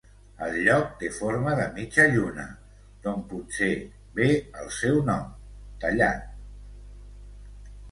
El lloc té forma de mitja lluna, d'on potser ve el seu nom, 'tallat'.